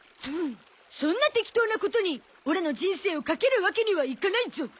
そんな適当なことにオラの人生をかけるわけにはいかないゾ！